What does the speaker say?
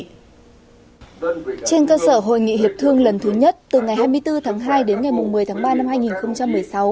trên cơ sở hội nghị hiệp thương lần thứ nhất từ ngày hai mươi bốn tháng hai đến ngày một mươi tháng ba năm hai nghìn một mươi sáu